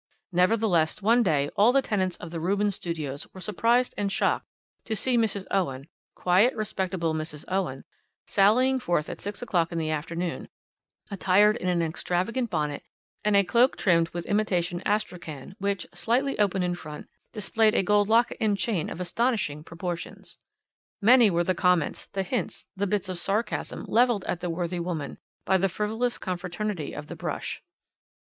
"Nevertheless one day all the tenants of the Rubens Studios were surprised and shocked to see Mrs. Owen, quiet, respectable Mrs. Owen, sallying forth at six o'clock in the afternoon, attired in an extravagant bonnet and a cloak trimmed with imitation astrakhan which slightly open in front displayed a gold locket and chain of astonishing proportions. "Many were the comments, the hints, the bits of sarcasm levelled at the worthy woman by the frivolous confraternity of the brush.